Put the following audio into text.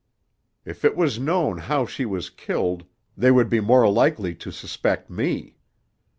If it was known how she was killed, they would be more likely to suspect me.